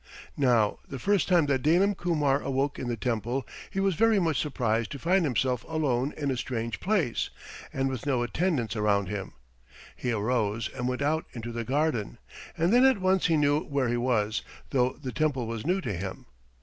Now the first time that Dalim Kumar awoke in the temple he was very much surprised to find himself alone in a strange place, and with no attendants around him. He arose and went out into the garden, and then at once he knew where he was, though the temple was new to him.